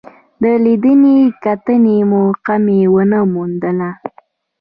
د لیدنې کتنې موقع مې ونه موندله.